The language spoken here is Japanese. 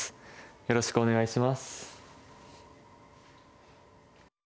よろしくお願いします。